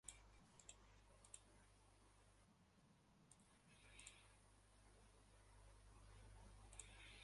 The Factory housed unassigned, unmarried female convicts, and their children.